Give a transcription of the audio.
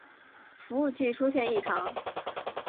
服务器出现异常